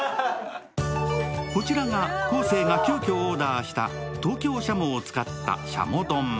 こちらが昴生が急きょオーダーした東京しゃもを使った軍鶏丼。